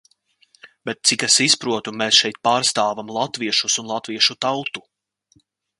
Bet, cik es izprotu, mēs šeit pārstāvam latviešus un latviešu tautu.